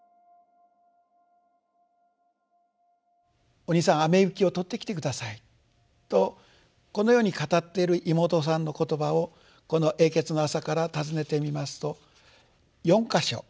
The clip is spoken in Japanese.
「お兄さん雨雪を取ってきて下さい」とこのように語っている妹さんの言葉をこの「永訣の朝」からたずねてみますと４か所。